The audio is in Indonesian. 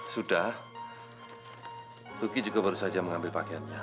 sudah tuki juga baru saja mengambil pakaiannya